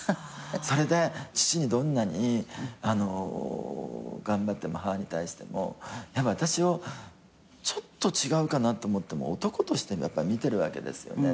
それで父にどんなに頑張っても母に対してもやっぱ私をちょっと違うかなって思っても男として見てるわけですよね